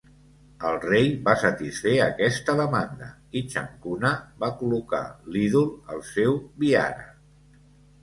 El rei va satisfer aquesta demanda i Chankuna va col·locar l'ídol al seu "vihara".